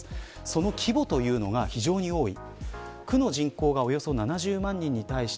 その規模というのが非常に多い。